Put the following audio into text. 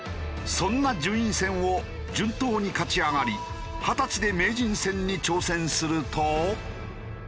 そんな順位戦を順当に勝ち上がり二十歳で名人戦に挑戦すると。